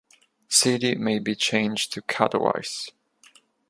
City may be changed to Katowice.